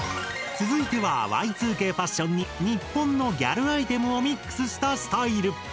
続いてはＹ２Ｋファッションに日本のギャルアイテムをミックスしたスタイル。